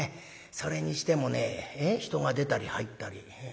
それにしてもね人が出たり入ったり。